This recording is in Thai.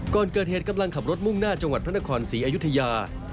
ก่อนเกิดเหตุกำลังขับรถมุ่งหน้าจังหวัดพระนครศรีอยุธยา